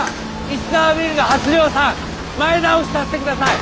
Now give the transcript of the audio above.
石沢ビールの初量産前倒しさせてください！